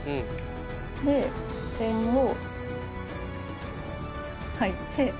で点を書いて。